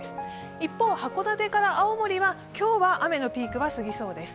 一方、函館から青森は今日は雨のピークは過ぎそうです。